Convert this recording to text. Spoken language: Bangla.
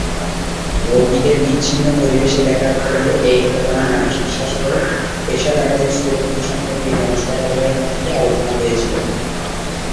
রোগীদের বিচ্ছিন্ন পরিবেশে দেখার ফলে এই ঘটনা মানসিক স্বাস্থ্য পেশাদারদের সুরক্ষা সম্পর্কে জনসাধারণের মধ্যে আলোচনা হয়েছিল।